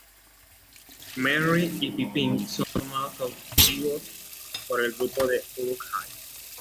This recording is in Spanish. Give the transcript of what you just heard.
Merry y Pippin son tomados cautivos por el grupo de Uruk-hai.